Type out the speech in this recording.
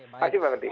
maksudnya pak ferdi